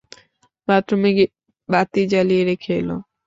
বাথরুমে গিয়ে বাত জ্বালিয়ে রেখে এল।